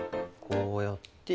こうやって。